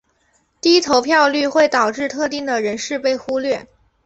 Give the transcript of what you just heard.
低投票率会导致特定的人士被忽略。